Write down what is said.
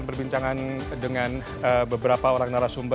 persoalan pertama adalah